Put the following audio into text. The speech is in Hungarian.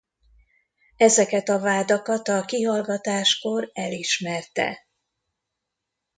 Ezeket a vádakat a kihallgatáskor elismerte.